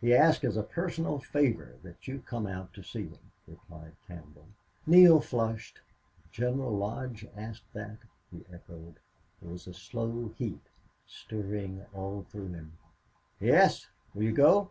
"He asks as a personal favor that you come out to see him," replied Campbell. Neale flushed. "General Lodge asks that!" he echoed. There was a slow heat stirring all through him. "Yes. Will you go?"